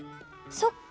そっか。